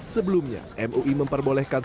sebelumnya mui memperbolehkan